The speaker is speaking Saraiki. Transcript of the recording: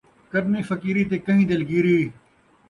کرنی فقیری تے کہیں دلگیری